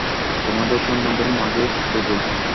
তোমাদের সন্তানদের মাঝে খুঁজো!